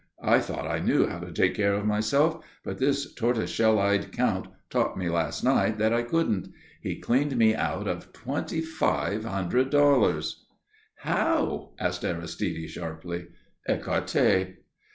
I thought I knew how to take care of myself, but this tortoise shell eyed Count taught me last night that I couldn't. He cleaned me out of twenty five hundred dollars " "How?" asked Aristide, sharply. "Ecarté."